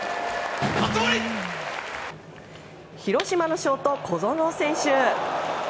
広島のショート、小園選手。